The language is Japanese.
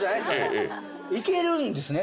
いけるんですね